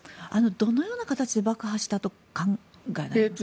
どのような形で爆破したと考えられますか？